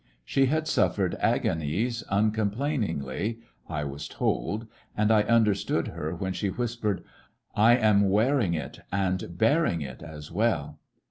She had suffered agonies uncomplainingly, I was told, and I understood her when she whispered : *^I am wearing it and bearing it as well."